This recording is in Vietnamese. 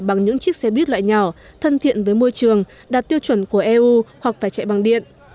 bằng những chiếc xe buýt loại nhỏ thân thiện với môi trường đạt tiêu chuẩn của eu hoặc phải chạy bằng điện